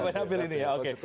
dapil dapil ini ya oke